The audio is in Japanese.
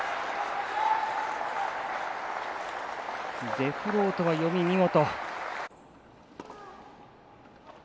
デフロートの読み、見事。